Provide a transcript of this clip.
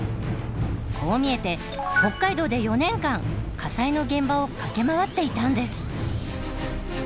こう見えて北海道で４年間火災の現場を駆け回っていたんです。